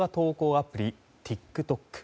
アプリＴｉｋＴｏｋ。